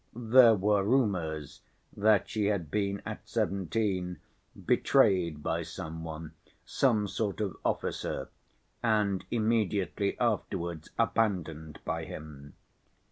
There were rumors that she had been at seventeen betrayed by some one, some sort of officer, and immediately afterwards abandoned by him.